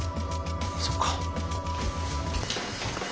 そっか。